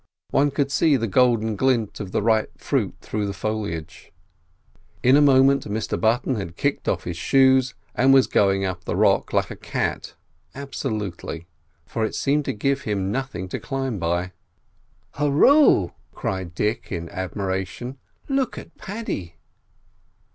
One could see the golden glint of the ripe fruit through the foliage. In a moment Mr Button had kicked off his shoes and was going up the rock like a cat, absolutely, for it seemed to give him nothing to climb by. "Hurroo!" cried Dick in admiration. "Look at Paddy!"